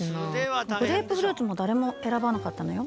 グレープフルーツもだれもえらばなかったのよ。